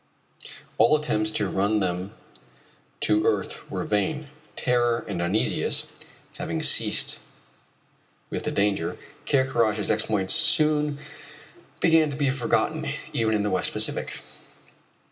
All attempts to run them to earth were vain. Terror and uneasiness having ceased with the danger, Ker Karraje's exploits soon began to be forgotten, even in the West Pacific.